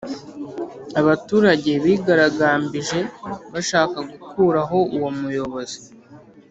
Abaturage bigaragambije bashaka gukuraho uwo muyobozi